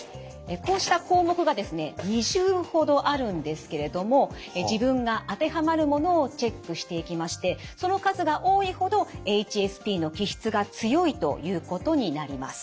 こうした項目がですね２０ほどあるんですけれども自分が当てはまるものをチェックしていきましてその数が多いほどＨＳＰの気質が強いということになります。